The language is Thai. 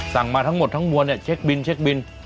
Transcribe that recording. มาทั้งหมดทั้งมวลเนี่ยเช็คบินเช็คบิน